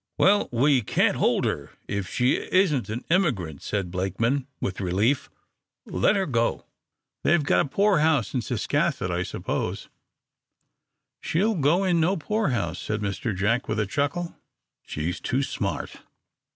"Well, we can't hold her if she isn't an immigrant," said Blakeman, with relief. "Let her go. They've got a poorhouse in Ciscasset, I suppose." "She'll go in no poorhouse," said Mr. Jack, with a chuckle. "She's too smart."